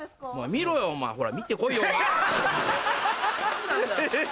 見ろよお前ほら見て来いよ。